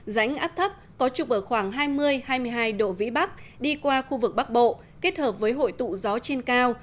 rãnh áp thấp có trục ở khoảng hai mươi hai mươi hai độ vĩ bắc đi qua khu vực bắc bộ kết hợp với hội tụ gió trên cao